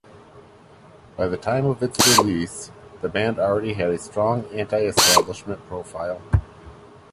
By the time of its release, the band already had a strong anti-establishment profile.